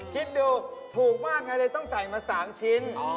คิดดูถูกมากไงเลยต้องใส่มา๓ชิ้น